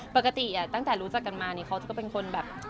ปกติตั้งแต่รู้จักกันมานี่เขาก็เป็นคนแบบ